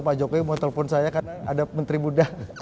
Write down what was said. pak jokowi mau telepon saya karena ada menteri muda